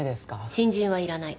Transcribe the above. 新人はいらない。